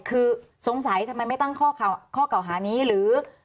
คือสงสัยทำไมไม่ตั้งข้อเก่าหานี้หรือ